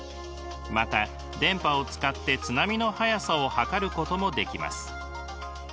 また電波を使って津波の速さを測ることもできます。